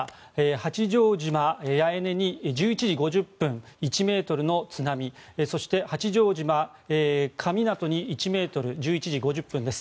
八丈島八重根に１１時５０分１ｍの津波そして八丈島神湊に１ｍ１ｍ、１１時５０分です。